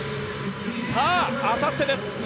さあ、あさってです！